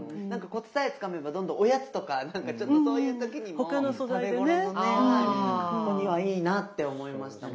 コツさえつかめばどんどんおやつとかなんかちょっとそういう時にも食べ頃の子にはいいなって思いました。